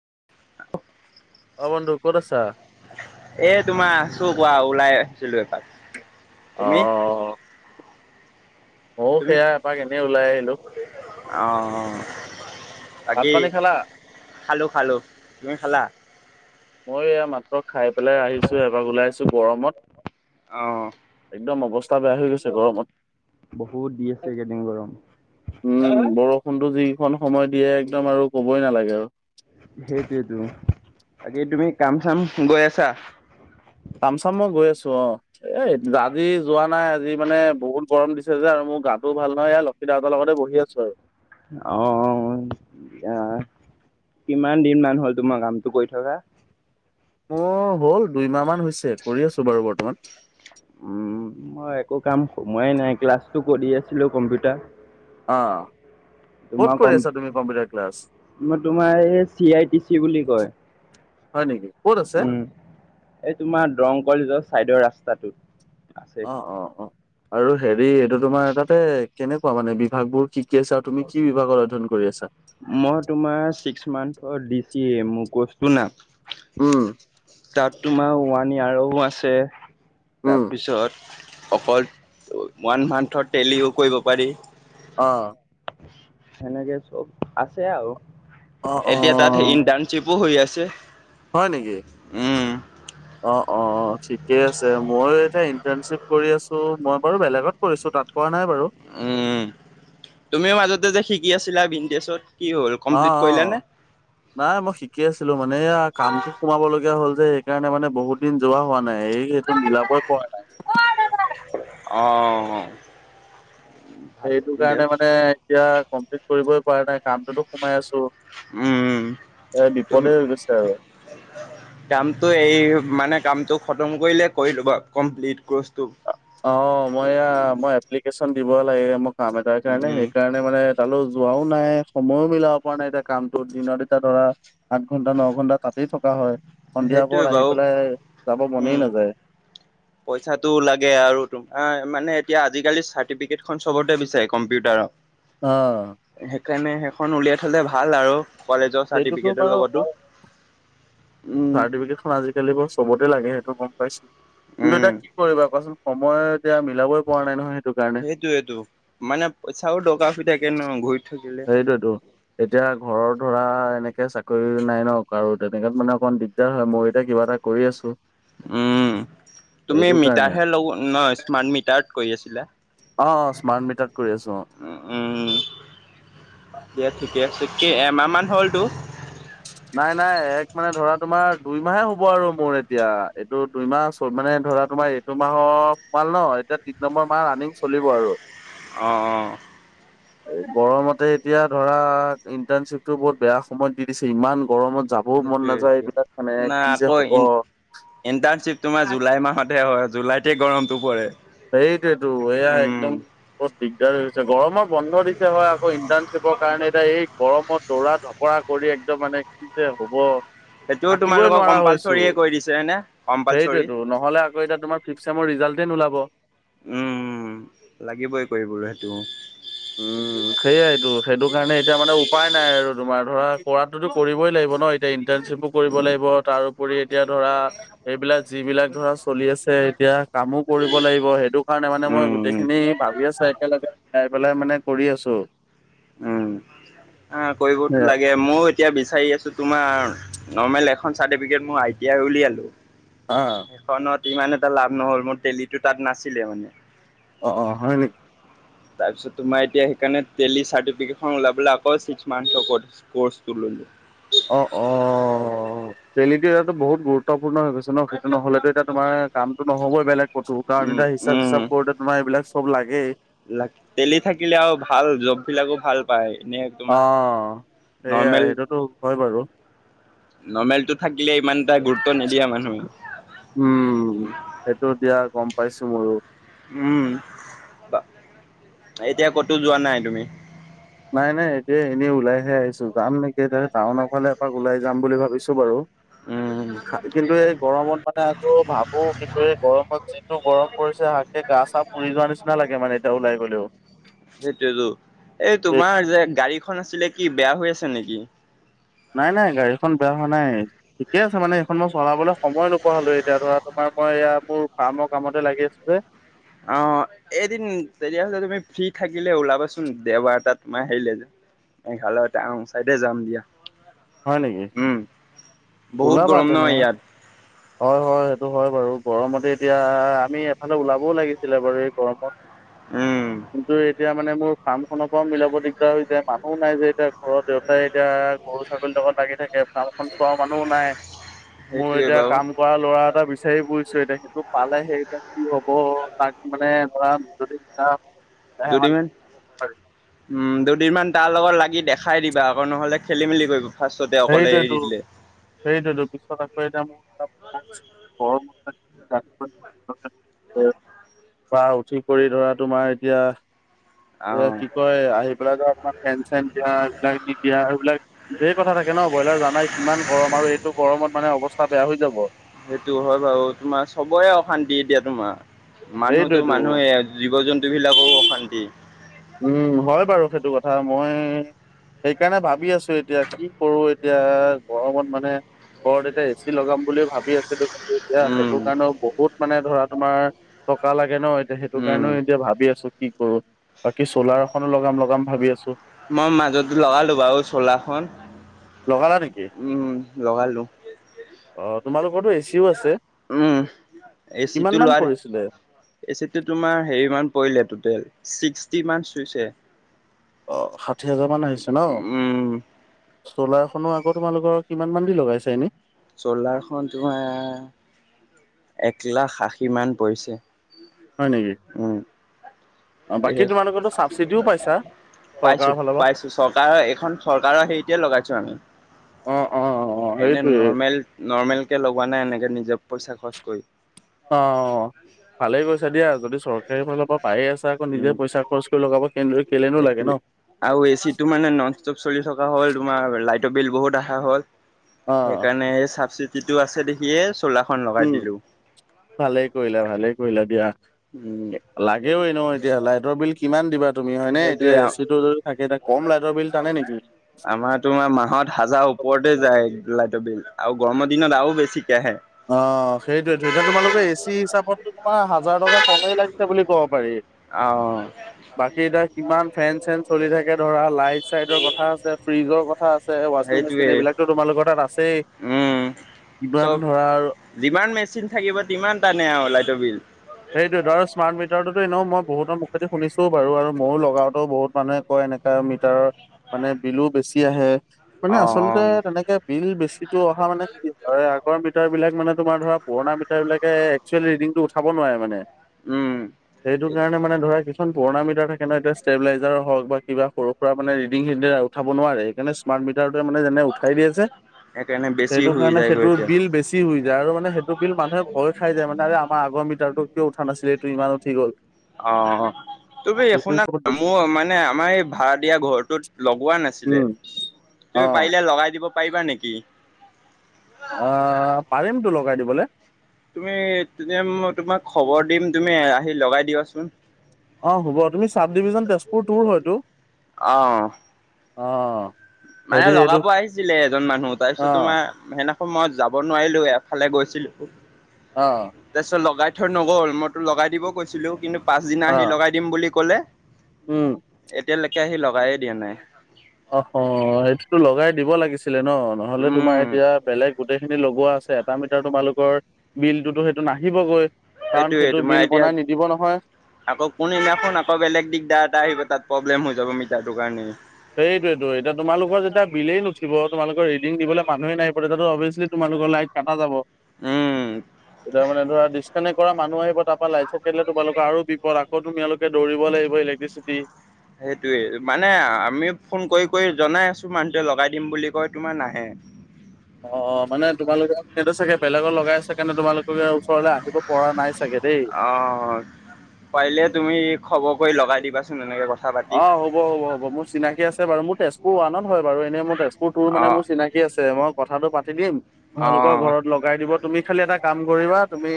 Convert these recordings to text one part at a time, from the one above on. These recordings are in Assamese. [inaudible] ও বন্ধু কত আছা? এ তোমাৰ আছো কোৱা, ওলাই আহিছিলোঁ এপাক তুমি অ', ময়ো তুমি সেয়া এপাক এনেই ওলাই আহিলো অ' ভাত বাকী, পানী খালা? খালো খালো তুমি খালা? মই, এয়া মাত্ৰ খাই পেলাই আহিছো এপাক ওলাই আছো গৰমত অ' একদম অৱস্থা বেয়া হৈ গৈছে গৰমত বহুত দি আছে উম, এইকেইদিন গৰম বৰ [unintelligible] যিখন সময় দিয়ে একদম আৰু ক'বই নালাগে আৰু বাকি তুমি কাম চাম গৈ আছা? কাম চাম মই গৈ আছো অ', এ আজি যোৱা নাই আজি মানে, বহুত গৰম দিছে যে, আৰু মোৰ গাটোও ভাল নহয় [inaudible] দাদাৰ লগতে বহি আছো আৰু অ', অ', [unintelligible] কিমান দিন মান, হ'ল তোমাৰ কামটো কৰি থকা মোৰ হল দুইমাহ মান, হৈছে কৰি আছো বাৰু বৰ্তমান উম মই একো কাম সময়ে নাই, ক্লাছটো কৰি আছিলো কম্পিউটাৰ আহ, তোমাৰ কত কম কৰি আছা তুমি কম্পিউটাৰ ক্লাছ? মই তোমাৰ এই, চি- আই -টি- চি বুলি কয় হয় নেকি ক'ত আছে? উম, এই তোমাৰ দৰং কলেজৰ চাইডৰ ৰাস্তাটোত আছে এইখন অ', অ', অ', আৰু হেৰি এইটো তোমাৰ তাতে কেনেকুৱা মানে বিভাগবোৰ কি কি আছা, আৰু তুমি কি বিভাগৰ অধ্যয়ন কৰি আছা? ও, দিসিএ মোৰ কৰচটো নাম উম তাত তোমাৰ ওৱান ইয়াৰো আছে উম তাৰপিছত অকল ওৱান মান্থৰ তেলিও কৰিব পাৰি অ', সেনেকে চব আছে আৰু অ অ এতিয়া তাত ইণ্টাৰণশ্বিপো হৈ আছে হয়, নেকি। উম অ, অ, অ, ঠিকেই আছে মই এতিয়া ইন্টাৰ্নশ্বিপ কৰি আছো মই বাৰু বেলেগত কৰিছো নাই, বাৰু। উম, তুমিও মাজতে যে শিকি আছিলা বিনটছত। অ, অ, নাই মই শিকি আছিলো মানে এয়া কামটো সোমাব লগীয়া হ'ল যে। সেইকাৰণে মানে বহুত দিন যোৱা হোৱা নাই এই সটো মিলাবই পৰা নাই অ ভাল সেইটো কাৰণে দিয়ক মানে এতিয়া কমপ্লিট কৰিবই পৰা নাই। কামটোতো সোমাই আছ, উম এ তুম বিপদে হৈ গৈছে আৰু। কামটো এই মানে কামটো খতম কৰিলে কৰি ল'বা কমপ্লিট অ, মই মই এপ্লিকেশ্যন দিব লাগে মোৰ কাম এটাৰ কাৰণে উম সেইকাৰণে মানে। তালৈ যোৱাও নাই সময়ো মিলাব পৰা নাই এতিয়া কামটোত দিনত এতিয়া ধৰা। আঠ ঘণ্টা ন ঘণ্টা তাতেই থকা হয়। সন্ধিয়াৰ পৰত সেইটোৱে আহি বাৰু পেলাই যাব উম মনেই নাযায়। তাকে আৰু তোমাৰ মানে এতিয়া আজিকালি চাৰ্টিফিকেট খন চবতে বিচাৰে কম্পিউটাৰক। অ, কাৰণে সেইখন উলিয়াই থলে ভাল আৰু কলেজৰ সেইটোতো চাৰ্টিফিকেটৰ লগতো। উম চাৰ্টিফিকট আজিকালি বাৰ চবতে লাগে সেইটো গম পাইছো, কিন্তু উম এতিয়া কি কৰিবা কোৱাচোন। সময় এতিয়া মিলাবই পৰা নাই নহয়। কাৰণে সেইটো, সেইটো মানেই চাও ডকা ফু থাকে নো ঘূৰি থৈ। সেইটোৱে সেইতো এতিয়া ঘৰত। ধৰা এনেকে চাকৰি নাই নক আৰু তেনেকাত মানে অকমান দিগদাৰ হয় মই এতিয়া কিবা এটা কৰি আছো। উম, তুমি সেইটো কাৰণে মিটাৰহে লগ ন স্মাৰ্ট মিটাৰত কৰি আছিলা। অ স্মাৰ্ট মিটাৰত কৰি আছো অ উম, উম, ঠিকে আছে। কি এমাহমান হ'লতটো। নাই, নাই এক মানে ধৰা তোমাৰ দুইমাহে হ'ব আৰু মোৰ এতিয়া এইটো দুইমাহ মানে ধৰা তোমাৰ এইটো মাহৰ সোমাল ন এতিয়া তিনি নম্বৰ মাহ ৰানিং চলিব আৰু। অ, অ, গৰমতে এতিয়া ধৰা ইণ্টাৰ্ণশ্বিপতটো বহুত বেয়া সময়ত দি দিছে ইমান। গৰমত যাবও মন সেইটোৱে নাযায় এইবিলাক মানে কি যে হ'ব। ইণ্টাৰণশ্বিপ তোমাৰ জুলাই মাহত হয় জুলাইতে গৰমটো পৰে। সেইটোৱেয়তো এয়া একদম। দিগদাৰ হৈছে, গৰমৰ বন্ধ দিছে হয় আকৌ ইণ্টাৰ্ণশ্বিপৰ কাৰণে এতিয়া এই গৰমত দৌৰা কৰা কৰি। একদম মানে কি যে হ'ব। সেইটোও থাকিবই তোমালোকক নোৱাৰা হৈছো কম্পালচৰিয়ে কৰি দিছে হয়নে কম্পালচৰি সেইটোৱেটো নহ'লে আকৌ এতিয়া তোমাৰ ফিফ চেমৰ। ৰিজাল্ট এ নলাব। উম, লাগিবই কৰিবলৈ সেইটো। উম, সেইয়াইতো সেইটো কাৰণে এতিয়া মানে উপায় নাই আৰু তোমাৰ ধৰা। কৰাটোতো কৰিবই লাগিব ন এতিয়া ইণ্টাৰ্ণশ্বিপো কৰিব লাগিব তাৰোপৰি। এতিয়া ধৰা এইবিলাক যিবিলাক ধৰা চলি আছে, এতিয়া কামো কৰিব লাগিব সেইটো কাৰণে মানে মই উম গোটেইখিনি ভাবি আছো একেলগে। মানে কৰি আছো। উম। অ, কৰিবো টো সেয়া লাগে ময়ো এতিয়া বিশ তোমাৰ ন এখন চাৰ মইই টিই উলিয়ালো। অ সেইখনত ইমান এটা লাভ নহ'ল মোৰ তেলিটো তাত নাছিলে মানে। অ, অ, হয় নেকি। তাৰপিছত তোমাৰ এতিয়া সেইকৰণে চলাব আকৌ ছিক্স মান্থ ৰ। অ, অ, তেতিয়াটো ইটো বহুত গুৰুত্বপূৰ্ণ হৈ গৈছে। ন, সেইটো নহ'লেতো এয়া তোমাৰ কামটো নহ'বই বেলেগ কো কাৰণ উম এটা হিচাপ হিচাপ কৰোতে তোমাৰ এইবিলাক। সব, লাগেই তেলি থাকিলে আৰু ভাল জব বিলাকো ভাল পায়। এনে তোমাৰ অ' সেয়াই, নৰ্মেল সেইটোতো হয় বাৰু। নৰ্মেলটো থাকিলে ইমান এটা গুৰুত্ব নিদিয়া মানুহে। উম, সেইটো দিয়া গ'ম পাইছোঁ ময়ো। উম, বা, এতিয়া ক'তো যোৱা নাই তুমি? নাই নাই এতিয়া এনেই ওলাইহে আহিছোঁ, যাম নেকি এতি টাউনৰফালে এপাক ওলাই যাম বুলি ভাবিছোঁ বাৰু। উম, [inaudible] খাই কিন্তু এই গৰমত মানে আকৌ ভাবোঁ কিন্তু এই গৰমত যিটো গৰম পৰিছে হাকে গা চাহ পুৰি যোৱা নিচিনা লাগে মানে এতিয়া ওলাই গ'লেও। সেইটোয়তো। এই তোমাৰ যে গাড়ীখন আছিলে কি বেয়া হৈ আছে নেকি? নাই নাই গাড়ীখন বেয়া হোৱা নাই, ঠিকে আছে মানে এইখন মই চলাবলৈ সময় নোপোৱা হ'লো, এতিয়া ধৰা তোমাৰ মই এ, মোৰ ফাৰ্মৰ কামতে লাগি আছোঁ যে। অ' এদিন তেতিয়াহ'লে তুমি ফ্ৰীথাকিলে ওলাবাচোন দেওবাৰ তাত মা হেলৈ যাম। মেঘালয় টাউন চাইডে যাম দিয়া। হয় নেকি? উম, বহুত ওলাবা গৰম ন তেনে, ইয়াত। হয় হয় সেইটো হয় বাৰু। গৰমতে এতিয়া আমি এফালে ওলাবও লাগিছিলে বাৰু এই গৰমত। উম, কিন্তু এতিয়া মানে মোৰ ফাৰ্ম খনতে মিলাব দিগদাৰ হৈ যায়, মানুহ নাই যে এতিয়া ঘৰৰ দেউতাই এতিয়া ঘ লাগি থাকে, ফামখন চোৱা মানুহ নাই। মই সেইটোৱে এতিয়া বাৰু কাম কৰা ল'ৰা এটা বিচাৰি ফুৰিছোঁ, এতিয়া সেইটো পালেহে এতিয়া কি হ'ব তাক মানে মানে মৰাণ যদি যাওঁ দুদিমান উম, দু দিমান তাৰ লগত লাগি দেখাই দিবা, আকৌ নহ'লে খেলি মেলি কৰিব। ফাৰ্ষ্টতে অকলে এৰি সেইটোৱেটো, দিলে। সেইটোৱেটো বিশটকাতকৈ এতিয়া মোৰ এটা [unintelligible] বা উঠি কৰি ধৰা তোমাৰ এতিয়া এ, অ', কি কয় আহি পেলাই যে তোমাৰ ফেন চেন দিয়া এইবিলাক দিয়া সেইবিলাক থাকে ন' ব্ৰইলাৰ জানাই কিমান গৰম আৰু এইটো গৰমত মানে অৱস্থা বেয়া হৈ যাব। সেইটো হয় বাৰু, তোমাৰ চবৰে অশান্তি এতিয়া তোমাৰ। মানুহতো সেইটোৱেতো মানুহে জীৱ জন্তু বিলাকও অশান্তি। উম, হয় বাৰু সেইটো কথা। মই সেইকাৰণে ভাবি আছোঁ এতিয়া কি কৰো এতিয়া গৰমত মানে ঘৰত এতিয়া এ চি লগাম বুলি ভাবি আছিলোঁ কিন্তু এতিয়া সেইটো উম, কাৰণেও বহুত মানে ধৰা তোমাৰ টকা লা সেইকাৰণেও এতিয়া সেইটো উম। কাৰণেও এতিয়া ভাবি আছোঁ কি কৰো। বাকী চ'লাৰ এখনো লগাম লগাম ভাবি আছোঁ। মই মাজত লগালো বাৰু চলাৰখন লগালা নেকি? লগালোঁ। অ তোমালোকৰতো এচিও আছে উম, এ কিমান চিটো মান লোৱাৰ পৰিছিলে? এ চিটো তোমাৰ হেৰি মান পৰিলে টোটেল ছিক্সটি মান চুইছে। অ' ষাঠি হাজাৰ মান আহিছে ন'? উম, চ'লাৰখনো আকৌ তোমালোকৰ কিমান মান দি লগাইছে এনেই? চ'লাৰখন তোমাৰ এক লাখ আশী মান পৰিছে। হয় নেকি? অ' বাকী তোমালোকেতো চাবচিডিও পাইছা। পাইছোঁ, চৰকাৰৰ ফালৰ পৰা পাইছোঁ চৰকাৰৰ এইখন চৰকাৰৰ হেৰিতে লগাইছোঁ আমি। অ অ অ অ এনে সেইটোৱে নৰ্মেল নৰ্মেলকে লগোৱা নাই এনেকে নিজে পইচা খৰচ কৰি? অ' ভালেই কৈছা দিয়া, যদি চৰকাৰীৰ ফালৰপৰা পায়ে আছা। কৌ উম নিজে পইচা খৰচ কৰি লগাব কেনেদৰে কেলেনো লাগে সেইটোৱে। ন'। আৰু এচিটো মানে নন ষ্টপ চলি থকা হ'ল তোমাৰ লাইট টো বিল বহুত অহা হ'ল, অ সেইকাৰণে চাবচিডিটো আছে দেখিয়েচ চোলা খন লগাই উম দিলো ভালেই কৰিলা ভালেই কৰিলা উম। দিয়া লাগেও এনেও এতিয়া লাইটৰ বিল কিমান দিবা তুমি হয়নে এতিয়া সেইটোৱে এ আও। চি টো যদি থাকে এতিয়া কম লাইটৰ বিল টানে নেকি। তোমাৰ তোমাৰ মাহত হাজাৰ ওপৰতে যায় লাইটৰ বিল আৰু গৰমৰ দিনত আৰু বেছি। অ' সেইটোয়েতো এতিয়া তোমালোকে এচি হিচাপতো তোমাৰ হাজাৰ টকা কমেই লাগিছে বুলি কব পাৰি। অ বাকী এতিয়া কিমান ফেন চেন চলি থাকে ধৰা। চাইডৰ কথা আছে ফ্ৰজৰ কথা আছে ৱাচিং মেচিন সেইটোৱে এইবিলাকতো তোমালোকৰ তাত আছে। উম কিমান। চব ধৰা আৰু যিমান মেচিন থাকিব তিমান টানে আৰু লাইটৰ বিল। সেইটো ধ আৰু স্মাৰ্ট মিটাৰটোতো এনেও মই বহুতৰ মুখে শুনিছো বাৰু আৰু ময়ো লগাওটো বহুত মানুহে। কয় এনেকা মিটাৰৰ মানে বিলো বেছি আহে মানে অ', আচলতে অ', তেনেকে বিল বেছিটো অহা মানে কি হয় আগৰ মিটাৰবিলাক মানে তোমাৰ ধৰা পুৰণা মিটাৰবিলাকে একচুৱেল ৰিডিংটো উঠাব উম। সেইটো কাৰণে মানে পুৰণা মিটাৰ থাকে নহয় এতিয়া ষ্টেবিলাইজাৰ হওক বা কিবা সৰু সুৰাানে ৰিডিং উঠাব নোৱাৰে সেইকাৰে স্মাৰ্ট মিটাৰ মানে যেনে উঠাই দিয়ে জে। সেইকাৰণে বেছি সেইটো শুই কাৰণে যায়গৈ সেইটো এতিয়া বিল বেছি হৈ যায় আৰু মানে সেইটো বিল মানুহে ভয় খাই যায় মানে আৰু আমাৰ আগৰ ম কিয় উঠা নাছিলে এইটো ইমান উঠি গ'ল। অ' তুমি সেইটো শুনা হিচাপত বেছি মোৰ মানে আমাৰ এই ভাড়া দিয়া ঘৰটোত লগোৱা নাছিলে উম অ তুমি পাৰিলে লগাই দিব পাৰিবা নেকি? অ' পাৰিম তো লগাই দিবলৈ তুমি তোমাক খবৰ দিম তুমি আহি লগাই দিবাচোন। অ হ'ব তুমি চাব ডিভিজন তেজপুৰ তোৰ হয়তো অ' অ' মানে হেৰি লগা এইটো পোৱা আহিছিলে এজন মানুহ অ তাৰপিছত তোমাৰ সেনে সময়ত যাব নোৱাৰিলো এফালে গৈছিলো অ তাৰপিছত লগাই থৈ নগ'ল মইতো লগাই দিব কৈছিলোঁ কিন্তু অ পাছদিনা আহি লগাই দিম বুলি ক'লে উম এতিয়ালৈকে আহি লগাইে দিয়া নাই। অ' সেইটোতো লগাই দিব লাগিছিলে ন নহলে তোমাৰ উম। এতিয়া বেলেগ গোটেই খিনি লগ আছে এটা মিটাৰ তোমালোকৰ বিলটোতো সেইটো নাহিবগৈ। কাৰণ সেইটোয়ে সেইটো তোমাৰ বিল এতিয়া বনাই নিদিব নহয়। আকৌ কোনেনাখনোন আকৌ বেলেগ দিগদাৰ এটা আহিব তাত প্ৰব্লেম হৈ যাব মিটাৰটোৰ কাৰণে। সেইটোয়েতটো এতিয়া তোমালোকৰ যেতিয়া বিলেই নুঠিব তোমালোকৰ ৰিডিং দিবলৈ মানুহে নাইিব। অবভিয়াছলি তোমালোকৰ লাইট কটা যাব, উম তাৰমানে ধৰা ডিছকানেক্ট। কৰা মানুহ আহিব তাৰ পৰা লাইছ কেলে তোমালৰ আৰু বিপদ আকৌ তুমিালোকে সেইটোৱে মানে আমি ফোন কৰি কৰি জনাই আছো মানুহটোৱে লগাই দিম বুলি কয় তোমাৰ নাহে। অ' অ' মানে তোমালোকে চাগে বেলেগত লগাই আছে কাৰণে তোমালোকৰ ওচৰলে আহিব পৰা নাই চাগে দেই। অ পাৰিলে তুমি খবৰ কৰি লগাই দিবাচোন এনেকে কথা পাতি অ' হ'ব হ'ব হ'ব মোৰ চিনাকি আছে বাৰু মোৰ তেজপুৰ ওৱানত হয় বাৰু এনে মোৰ তেজপুৰ টুৰ মানে অ চিনাকি। আছে কথাটো পাতি দিম অ তোমালোকৰ ঘৰত লগাই দিব তুমি খালি এটা কাম কৰিবা তুমি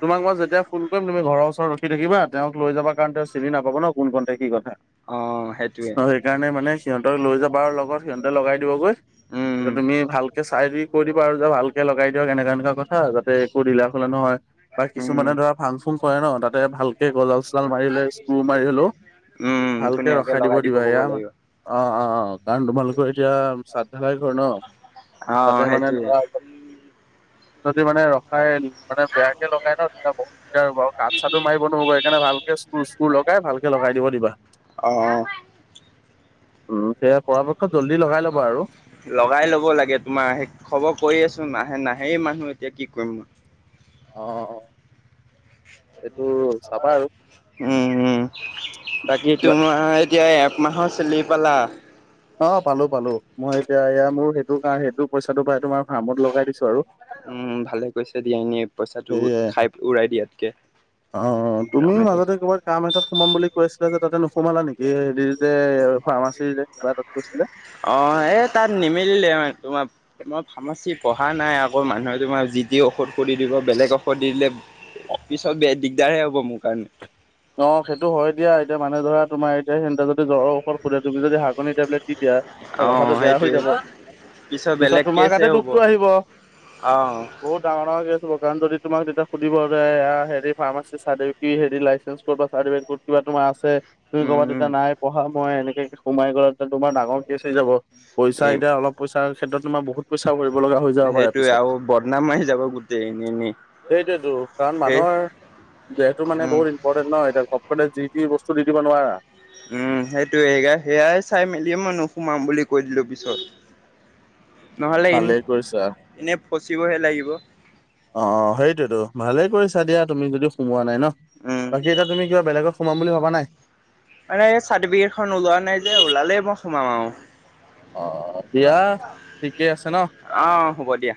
তোমাক মই যেতিয়া ফোন কৰিম তুমি ঘৰৰ ওচৰত ৰখিাকিবা তেওঁক লৈ যাব কাৰণ তেওঁ চিনি নাপাব ন কোন কণ্তে কি অ' সেইকাৰণে মানে সিহঁতক লৈ যাবা আৰু লগত সিহঁতে লগাই দিবগৈ। উম তিয়া তুমি ভালকে চাই দি কৈ দিবা আৰু যে ভালকে লগাই দিয়ক এনেককা এনেকুৱা কথা যাতে একো দিলা হলে নহয়। বা উম কিছুমানে ধৰা ফাং চুং কৰে ন তাতে ভালকে গজাল চজাল মাৰি ললে স্কু মাৰি হলেও। উম ভালকে ধুনীয়াকে ৰখাই দিব লগাই দিবা ক'ব এয়া অ', লাগিব অ', অ', কাৰণ তোমালোকৰ এতিয়া সাদ ধেলাই ঘৰ ন। অ তাতে মানে সেইটোৱে ধৰা যদি মানে ৰখাই মানে বেয়াকে লগাই নহ, তেতিয়া বহুত দিগদাৰ হব। আৰু কাঠ চাটো মাৰিব নহব, সেইকাৰণে ভালকে [unintelligible] লগাই ভালকে লগাই দিব। দিবা অ',। উম, সেইয়া লগাই লব লাগে, তোমাৰ সেই খবৰ কৰি আছো। নাহে, নাহেই মানুহ এতিয়া কি কৰিম মই? অ',। এইটো চাবা আৰু উম, উম, বাকী তোমাৰ এতিয়া মাহৰ চেলিৰি পালা? অ', পালো, পালো। মই এতিয়া, এইয়া মোৰ সেইটো কাৰ সেইটো পইচাটো পৰা তোমাৰ ফাৰ্মত লগাই দিছো আৰু। উম, ভালেই কৰিছে দিয়া এনেই পইচাটো সেয়াই খাই উৰাই দিয়াতকে। অ', তুমিও কামতে। মাজতে ক'ৰবাত কাম এতাত সোমাম বুলি কৈ আছিলা যে, তাতে নোসোমালা নেকি এ হেৰি যে ফাৰ্মাচীৰ যে কিবা এটা অ', এই তাত নিমিলিলে তোমাৰ-তোমাৰ ফাৰ্মাচী পঢ়া নাই আৰু। অকল মানুহে তোমাৰ যি টি ঔষধ কৰি দিব, বেলেগ ঔষধ দি দিলে পিছত [unintelligible] দিগদাৰ হে হ'ব মোৰ কাৰণে। অ সেইটো হয় দিয়া এতিয়া মানে ধৰা তোমাৰ এতিয়া সিহঁতে যদি জ্বৰৰ এ অ কথাটো বেয়া হৈ সেইটোৱে। যাব। পিছত বেলেগ তোমাৰ গাতে কেচহে হ'ব দুখটো আহিব, অ বহুত ডাঙৰ ডাঙৰ কাৰণ যদি তোমাক তেতিয়া সুধিব যে, আ হেৰি ফাৰ্মাচীৰ চাৰ্টিফি কি হেৰি উম উম। [unintelligible] মই এনেকে সোমাই গ'ল, তেতিয়া তোমাৰ ডাঙৰ কেছ হৈ যাব। পইচা, এতিয়া অলপ পইচাৰ ক্ষেত্ৰত তোমাৰ বহুত পইচা ভৰিব লগা হৈ যাব পাৰে সেইটোয়ে, পিছত আৰু বদনাম আহি যাব গোটেই এনে এনেই। সেইটোয়েতো, কাৰণ সেই মানুহৰ দেহটো মানে উম বহুত ইম্পৰটেন্ট। নহ এতিয়া, [unintelligible] যি যি বস্তু দি দিব নোৱাৰা। উম, সেইটোয়ে সেয়াই চাই মেলি মই নোসোমাও বুলি কৈ দিলো পিছত। [inaudible] নহ'লে ভালে কৰিছা এনে-এনে ফচিবহে লাগি অ', সেইটোয়েতো ভালেই কৰিছা দিয়া তুমি, যদি সোমোৱা ন নাই নহ, উম বাকী এতিয়া তুমি কিবা বেলেগত সোমাম বুলি ভাবা নাই? মানে এই চাৰ্টিফিকেটখন ওলোৱা নাই যে, ওলালেই মই সোমাম আৰু। অ', অ', দিয়া ঠিকে আছে নহ? অ হ'ব দিয়া